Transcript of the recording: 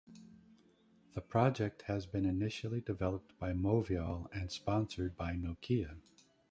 The project has been initially developed by Movial and sponsored by Nokia.